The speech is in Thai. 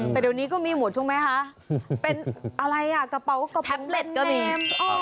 แต่เดี๋ยวนี้ก็มีหมวกช่วงไหมฮะเป็นอะไรอะกระเป๋ากลางแบบแมน